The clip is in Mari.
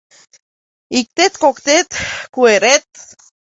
Иктет-коктет куэрет